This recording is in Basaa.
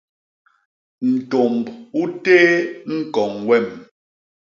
Ntômb u téé ñkoñ wem.